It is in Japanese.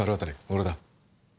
俺だ